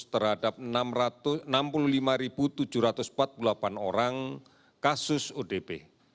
terhadap enam puluh lima tujuh ratus empat puluh delapan orang kasus odp